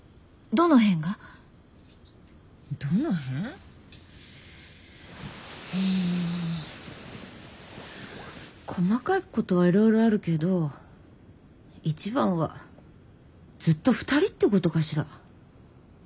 どの辺？ん細かいことはいろいろあるけど一番はずっと２人ってことかしら。